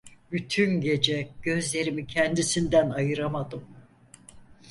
Bütün gece gözlerimi kendisinden ayıramadım.